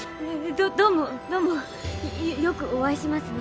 どどうもよくお会いしますね。